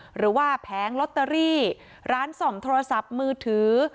หรือว่าแพ้งลอตเตอรี่ร้านซ่อมโทรศัพท์มือถือ